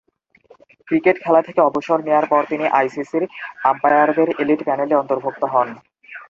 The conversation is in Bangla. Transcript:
ক্রিকেট খেলা থেকে অবসর নেয়ার পর তিনি আইসিসির আম্পায়ারদের এলিট প্যানেলে অন্তর্ভুক্ত হন।